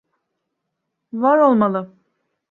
Var olmalı…